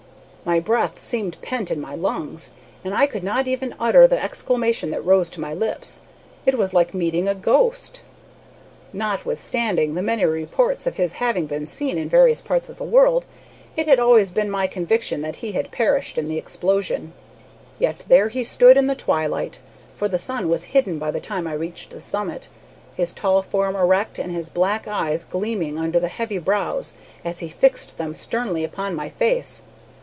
"My breath seemed pent in my lungs, and I could not even utter the exclamation that rose to my lips. It was like meeting a ghost. Notwithstanding the many reports of his having been seen in various parts of the world, it had always been my conviction that he had perished in the explosion. "Yet there he stood in the twilight, for the sun was hidden by the time I reached the summit, his tall form erect, and his black eyes gleaming under the heavy brows as he fixed them sternly upon my face.